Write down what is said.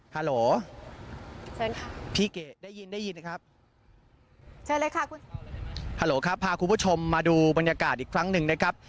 ฮัลโหลครับพาคุณผู้ชมมาดูบรรยากาศอีกครั้งหนึ่งนะครับ